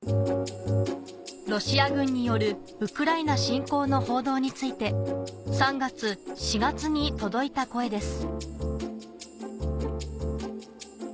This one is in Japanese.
ロシア軍によるウクライナ侵攻の報道について３月４月に届いた声です